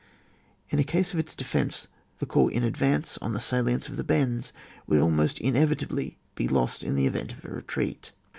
In a case of its defence, the corps in advance on the salients of the bends would almost inevitably be lost in the event of a re treat.